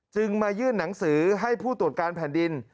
มายื่นหนังสือให้ผู้ตรวจการแผ่นดิน